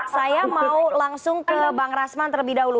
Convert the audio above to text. saya mau langsung ke bang rasman terlebih dahulu